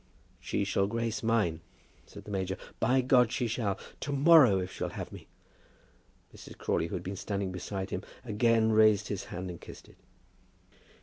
"She shall grace mine," said the major. "By God, she shall! to morrow, if she'll have me." Mrs. Crawley, who was standing beside him, again raised his hand and kissed it.